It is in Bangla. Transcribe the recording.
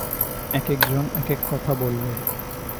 একেক জন একেক কথা বলবে?